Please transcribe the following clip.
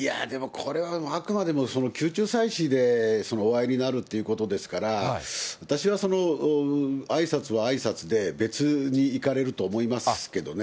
これはあくまでも宮中祭祀でお会いになるということですから、私はあいさつはあいさつで、別に行かれると思いますけどね。